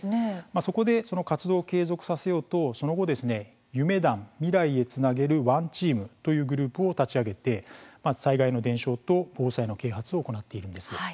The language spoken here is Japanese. そこでその活動を継続させようと夢団未来へつなげるＯＮＥＴＥＡＭというグループを立ち上げて災害の伝承と防災の啓発を行っているんです。